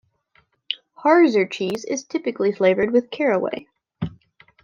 Harzer cheese is typically flavoured with caraway.